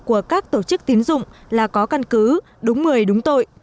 của các tổ chức tín dụng là có căn cứ đúng người đúng tội